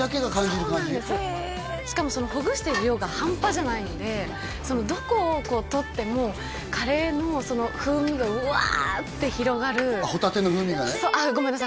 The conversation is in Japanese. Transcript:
そうなんですしかもほぐしてる量が半端じゃないんでどこを取ってもカレーの風味がウワーッて広がるホタテの風味がねごめんなさい